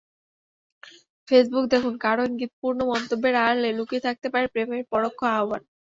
Facebook দেখুন—কারও ইঙ্গিতপূর্ণ মন্তব্যের আড়ালে লুকিয়ে থাকতে পারে প্রেমের পরোক্ষ আহ্বান।